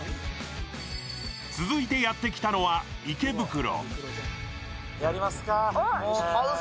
続いてやって来たのは池袋。